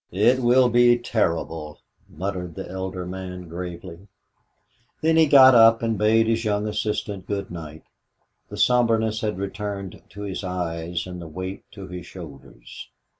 "It will be terrible," muttered the elder man, gravely. Then, as he got up and bade his young assistant good night, the somberness had returned to his eyes and the weight to his shoulders.